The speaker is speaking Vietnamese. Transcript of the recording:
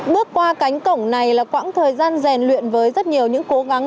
bước qua cánh cổng này là quãng thời gian rèn luyện với rất nhiều những cố gắng